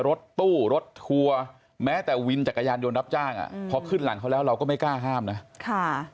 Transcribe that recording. รถตู้รถทัวร์แม้แต่วินจักรยานยนต์รับจ้างอ่ะพอขึ้นหลังเขาแล้วเราก็ไม่กล้าห้ามนะค่ะ